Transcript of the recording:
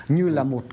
như là một cảnh sát